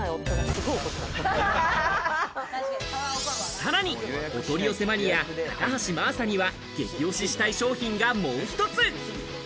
さらにお取り寄せマニア高橋真麻には激推ししたい商品が、もう１つ。